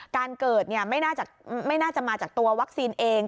การเกิดไม่น่าจะมาจากตัววัคซีนเอง